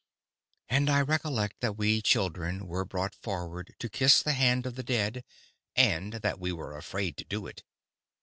And I recollect that we children were brought forward to kiss the hand of the dead and that we were afraid to do it.